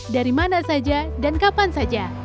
dari mana saja dan kapan saja